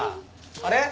あれ？